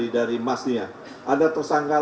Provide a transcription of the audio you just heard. dari mas ada tersangkaan